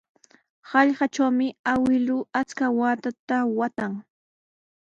Hallqatrawmi awkilluu achka waakata waatan.